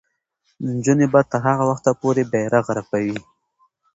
نجونې به تر هغه وخته پورې بیرغ رپوي.